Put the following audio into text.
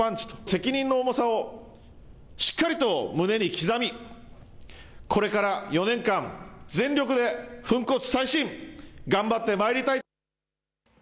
責任の重さをしっかりと胸に刻みこれから４年間全力で粉骨砕身頑張ってまいりたいと。